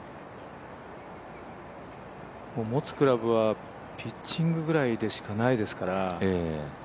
持つクラブがピッチングぐらいしかないですから。